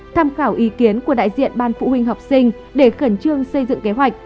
tham khảo ý kiến của đại diện ban phụ huynh học sinh để khẩn trương xây dựng kế hoạch